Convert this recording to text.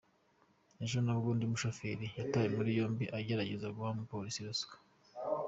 Ejo nabwo undi mushoferi yatawe muri yombi agerageza guha umupolisi ruswa.